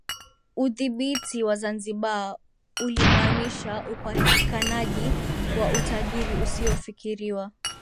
Udhibiti wa Zanzibar ulimaanisha upatikanaji wa utajiri usiofikiriwa